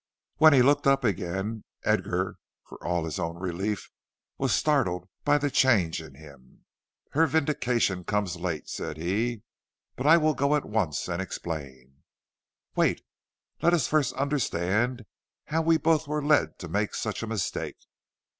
When he looked up again, Edgar, for all his own relief, was startled by the change in him. "Her vindication comes late," said he, "but I will go at once and explain " "Wait; let us first understand how we both were led to make such a mistake.